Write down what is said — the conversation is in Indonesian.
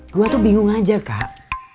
gue tuh bingung aja kak